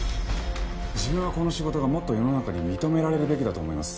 自分はこの仕事がもっと世の中に認められるべきだと思います。